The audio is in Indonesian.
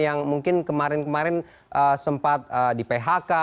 yang mungkin kemarin kemarin sempat di phk